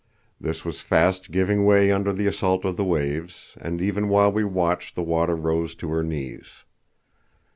This was fast giving way under the assault of the waves, and even while we watched the water rose to her knees.